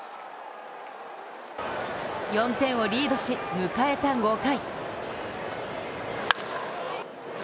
４点をリードし、迎えた５回。